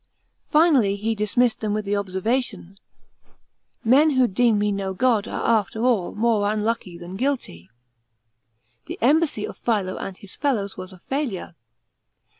Finally he dismissed them with the observation, " Men who deem me no god are after all more unlucky than guilty." The embassy of Philo and his fellows was a failure.